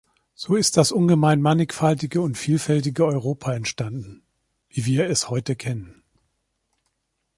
So ist das ungemein mannigfaltige und vielfältige Europa entstanden, wie wir es heute kennen.